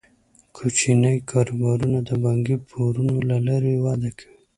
کوچني کاروبارونه د بانکي پورونو له لارې وده کوي.